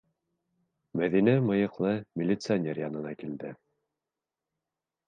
Мәҙинә мыйыҡлы милиционер янына килде: